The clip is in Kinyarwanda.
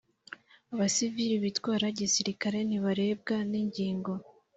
Abasiviri bitwara gisirikare ntibarebwaningingo